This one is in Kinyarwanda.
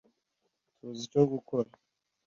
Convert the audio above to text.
tuzi icyo gukora